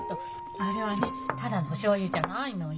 あれはねただのおしょうゆじゃないのよ。